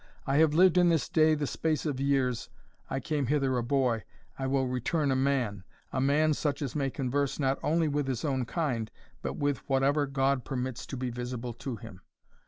I have lived in this day the space of years I came hither a boy I will return a man a man, such as may converse not only with his own kind, but with whatever God permits to be visible to him.